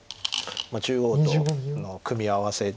中央との組み合わせで。